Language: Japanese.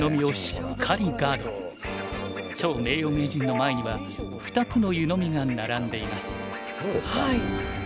趙名誉名人の前には２つの湯飲みが並んでいます。